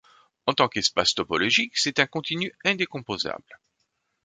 En tant qu'espace topologique, c'est un continu indécomposable.